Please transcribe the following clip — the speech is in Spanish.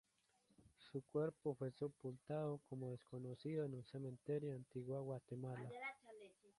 Su cuerpo fue sepultado como desconocido en un cementerio de Antigua Guatemala